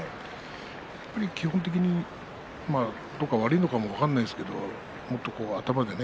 やっぱり基本的にどこか悪いのかも分からないですけどももっと頭でね